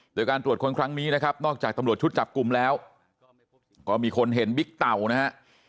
โดยการตรวจคนครั้งนี้นะครับนอกจากตำรวจชุดจับกลุ่มแล้วก็มีคนเห็นบิ๊กเต่านะฮะ